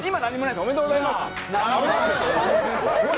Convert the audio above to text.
おめでとうございます。